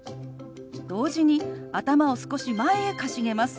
同時に頭を少し前へかしげます。